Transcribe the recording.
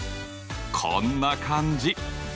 こんな感じ。